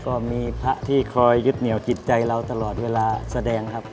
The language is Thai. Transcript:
ก็มีพระที่คอยยึดเหนียวจิตใจเราตลอดเวลาแสดงครับ